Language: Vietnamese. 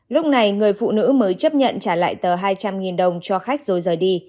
lúc này người phụ nữ mới chấp nhận trả lại tờ hai trăm linh đồng cho khách rồi rời đi